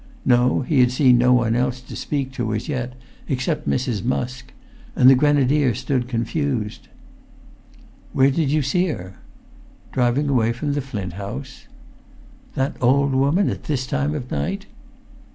No, he had seen no one else to speak to as yet, except Mrs. Musk; and the grenadier stood confused. "Where did you see her?" "Driving away from the Flint House." "That old woman at this time of night?"